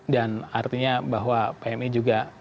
dan artinya bahwa pmi juga